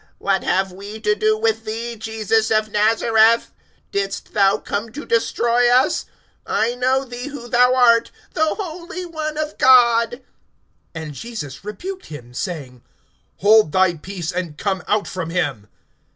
what have we to do with thee, Jesus of Nazareth? Didst thou come to destroy us? I know thee who thou art, the Holy One of God. (35)And Jesus rebuked him, saying: Hold thy peace, and come out from him.